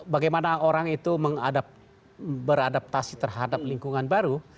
bagaimana orang itu beradaptasi terhadap lingkungan baru